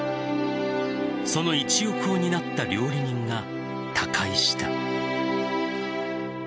その一翼を担った料理人が他界した。